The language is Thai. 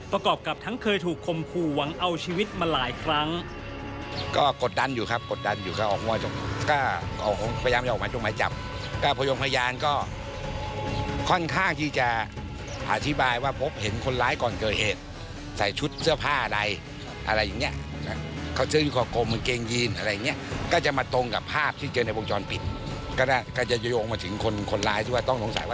กับทั้งเคยถูกคมคู่หวังเอาชีวิตมาหลายครั้ง